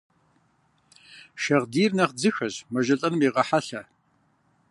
Шагъдийр нэхъ дзыхэщ, мэжэлӀэным егъэхьэлъэ.